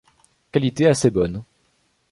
Qualité assez bonne.